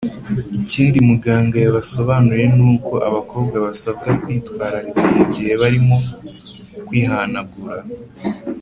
Ikindi Muganga yabasobanuriye ni uko abakobwa basabwa kwitwararika mu gihe barimo kwihanagura